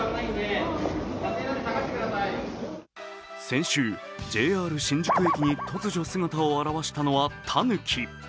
先週、ＪＲ新宿駅に突如、姿を現したのはたぬき。